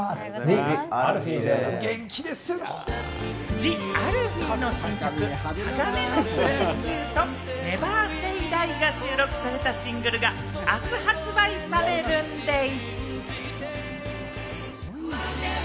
ＴＨＥＡＬＦＥＥの新曲『鋼の騎士Ｑ』と『ＮｅｖｅｒＳａｙＤｉｅ』が収録されたシングルが明日発売されるんでぃす。